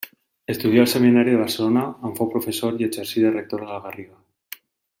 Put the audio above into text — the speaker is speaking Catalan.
Estudià al Seminari de Barcelona, on fou professor, i exercí de rector a la Garriga.